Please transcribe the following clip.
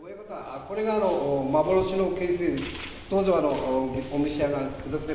これが幻の恵水です。